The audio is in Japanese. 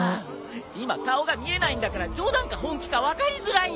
今顔が見えないんだから冗談か本気か分かりづらいんだよ！